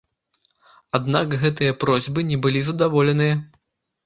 Аднак гэтыя просьбы не былі задаволеныя.